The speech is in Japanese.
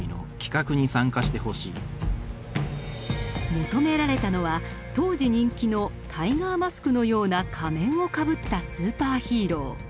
求められたのは当時人気の「タイガーマスク」のような仮面をかぶったスーパーヒーロー。